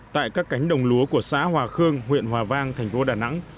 tại các cánh đồng lúa của xã hòa khương huyện hòa vang thành phố đà nẵng